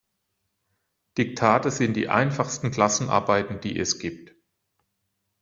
Diktate sind die einfachsten Klassenarbeiten, die es gibt.